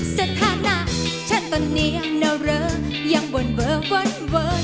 สถานะฉันตอนนี้นะเรอะยังเบิ่นเบิ่นเบิ่นเบิ่น